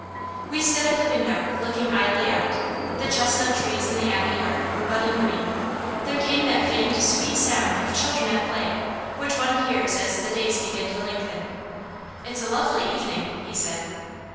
We stood at the window, looking idly out. The chestnut trees in the Abbey yard were budding green: there came that faint, sweet sound of children at play, which one hears as the days begin to lengthen. "It's a lovely evening," he said.